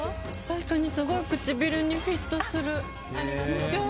本当にすごい唇にフィットする。